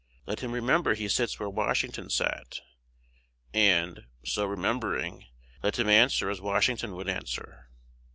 Let him remember he sits where Washington sat; and, so remembering, let him answer as Washington would answer.